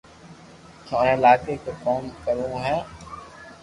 مني لاگي ڪي ڪوم ڪرو ھون